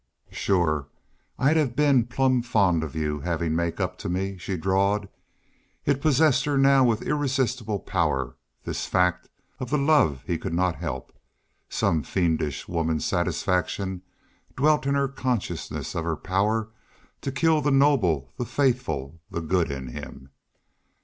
"Shore, I'd have been plumb fond of havin' y'u make up to me," she drawled. It possessed her now with irresistible power, this fact of the love he could not help. Some fiendish woman's satisfaction dwelt in her consciousness of her power to kill the noble, the faithful, the good in him.